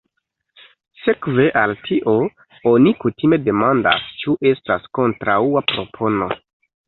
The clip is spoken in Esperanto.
Sekve al tio oni kutime demandas, ĉu estas kontraŭa propono.